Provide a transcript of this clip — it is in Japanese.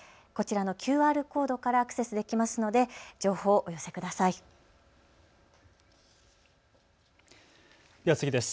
こちらのＱＲコードからアクセスできますので情報を寄せください。